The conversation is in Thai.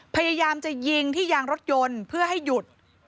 พยายามจะยิงที่ยางรถยนต์เพื่อให้หยุด